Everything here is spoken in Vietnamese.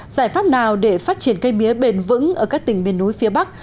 giải pháp nào để phát triển cây mía bền vững ở các tỉnh miền núi phía bắc